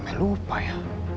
apa emeh lupa ya